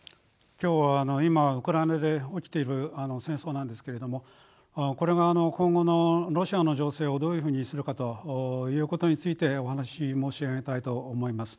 今日は今ウクライナで起きている戦争なんですけれどもこれは今後のロシアの情勢をどういうふうにするかということについてお話し申し上げたいと思います。